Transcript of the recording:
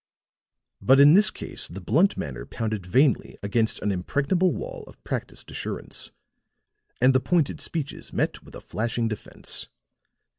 But in this case the blunt manner pounded vainly against an impregnable wall of practised assurance; and the pointed speeches met with a flashing defense.